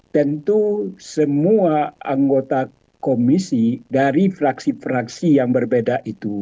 tentu semua anggota komisi dari fraksi fraksi yang berbeda itu